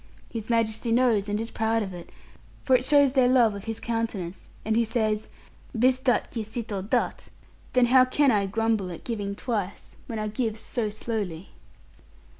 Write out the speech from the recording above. His Majesty knows and is proud of it, for it shows their love of his countenance; and he says, "bis dat qui cito dat," then how can I grumble at giving twice, when I give so slowly?'